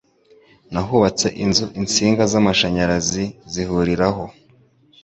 n'ahubatse inzu insinga z'amashanyarazi zihuriraho,